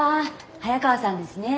早川さんですね。